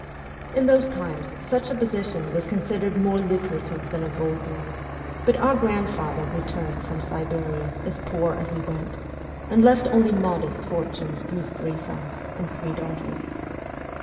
In those times such a position was con sidered more lucrative than a gold mine, but our grand father returned from Siberia as poor as he went, and left only modest fortunes to his three sons and three daugh ters.